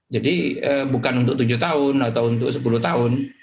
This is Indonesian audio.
jadi bukan untuk tujuh tahun atau untuk sepuluh tahun